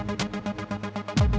orangnya ada didalam taksi